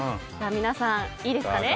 皆さん、いいですかね？